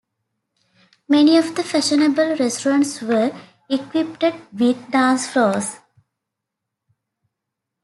Many of the fashionable restaurants were equipped with dance floors.